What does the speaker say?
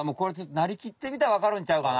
なりきってみたらわかるんちゃうかな？